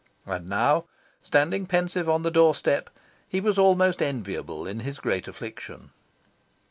And now, standing pensive on the doorstep, he was almost enviable in his great affliction.